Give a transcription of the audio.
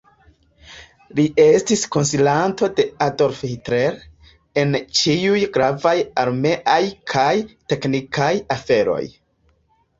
Li estis konsilanto de Adolf Hitler en ĉiuj gravaj armeaj kaj teknikaj aferoj.